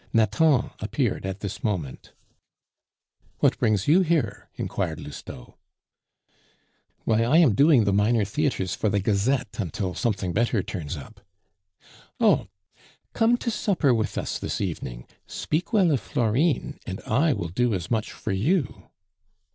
Nathan appeared at this moment. "What brings you here?" inquired Lousteau. "Why, I am doing the minor theatres for the Gazette until something better turns up." "Oh! come to supper with us this evening; speak well of Florine, and I will do as much for you."